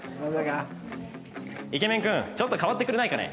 イケメン君ちょっと代わってくれないかね。